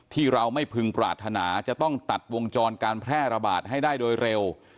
ที่เราไม่พึงปรารถนาจะต้องตัดวงจรการแพร่ระบาดให้ได้โดยเร็ว